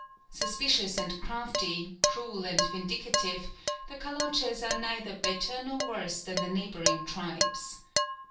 _] Suspicious and crafty, cruel and vindictive, the Kaloches are neither better nor worse than the neighbouring tribes.